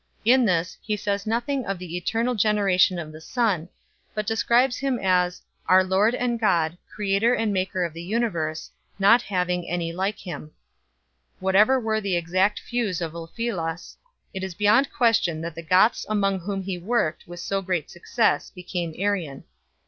In this he says nothing of the eternal generation of the Son, but describes Him as " our Lord and God, creator and maker of the universe, not having any like Him 2 ." Whatever were the exact views of Ulfilas, it is beyond question that the Goths among whom he worked with so great success became Arian.